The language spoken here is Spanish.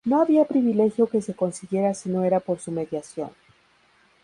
No había privilegio que se consiguiera si no era por su mediación.